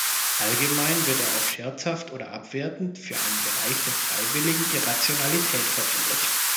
Allgemein wird er auch scherzhaft oder abwertend für einen Bereich der freiwilligen Irrationalität verwendet.